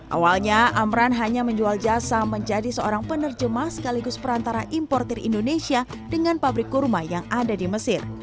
awalnya amran hanya menjual jasa menjadi seorang penerjemah sekaligus perantara importer indonesia dengan pabrik kurma yang ada di mesir